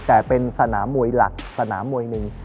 แต่เป็นสนามมวยหลักสนามมวยหนึ่ง